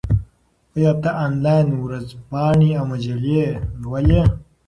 آیا ته انلاین ورځپاڼې او مجلې لولې؟